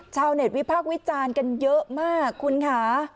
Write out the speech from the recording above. ชาวเน็ตวิพากษ์วิจารณ์กันเยอะมากคุณค่ะ